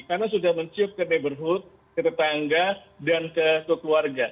karena sudah mencium ke neighborhood ke tetangga dan ke keluarga